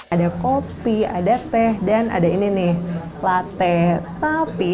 ada kopi ada teh dan ada ini nih latte sapi